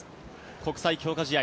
国際強化試合